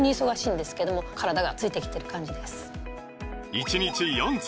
１日４粒！